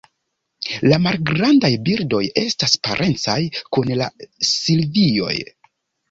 La malgrandaj birdoj estas parencaj kun la Silvioj.